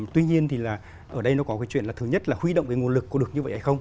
tuy nhiên thì là ở đây nó có cái chuyện là thứ nhất là huy động cái nguồn lực có được như vậy hay không